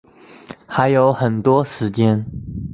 还有很多时间